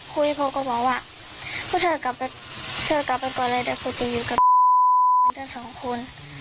ครูวิพฤษก็บอกว่าเพราะเธอกลับไปก่อนเลยเดี๋ยวครูจะอยู่กับเธอสองคน